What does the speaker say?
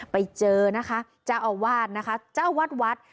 ไปเจอนะคะเจ้าอาวาสนะคะเจ้าวัดวัด